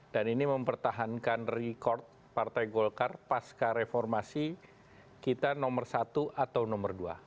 dan ini mempertahankan record partai golkar paska reformasi kita nomor satu atau nomor dua